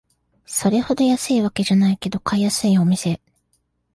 それほど安いわけじゃないけど買いやすいお店